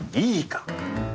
いいか？